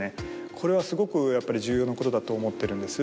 これはすごくやっぱり重要なことだと思ってるんです。